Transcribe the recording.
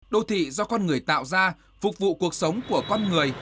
đô thị do con người tạo ra phục vụ cuộc sống của con người